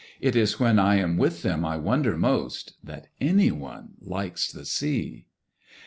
It is when I am with them I wonder most That anyone likes the Sea.